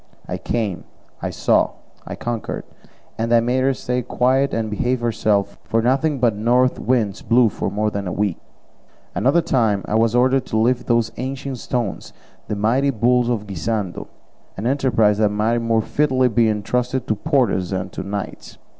I came, I saw, I conquered, and I made her stay quiet and behave herself, for nothing but north winds blew for more than a week. Another time I was ordered to lift those ancient stones, the mighty bulls of Guisando, an enterprise that might more fitly be entrusted to porters than to knights.